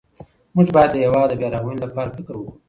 موږ بايد د هېواد د بيا رغونې لپاره فکر وکړو.